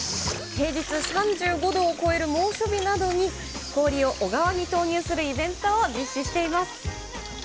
平日３５度を超える猛暑日などに、氷を小川に投入するイベントを実施しています。